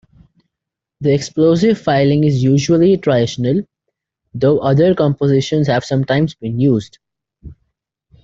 The explosive filling is usually tritonal, though other compositions have sometimes been used.